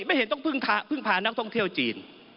ไม่เห็นต้องพึ่งพานักท่องเที่ยวจีน